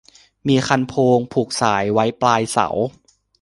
มีคันโพง ผูกสาย ไว้ปลายเสา